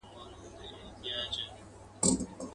او چي مري هغه شهید دی ځي د ښکلیو حورو غېږته.